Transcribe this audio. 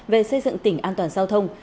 về xây dựng tỉnh an toàn giao thông